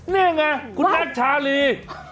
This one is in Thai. นี่ไงคุณแน็กชาลี